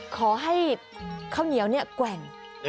ขอให้ข้าวเหนียวแกว่ง